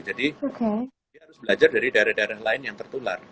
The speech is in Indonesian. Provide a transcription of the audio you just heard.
jadi harus belajar dari daerah daerah lain yang tertular